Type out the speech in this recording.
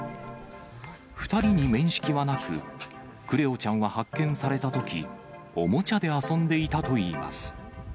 ２人に面識はなく、クレオちゃんは発見されたとき、おもちゃで遊んでいたといいます。